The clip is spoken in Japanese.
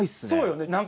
そうよね。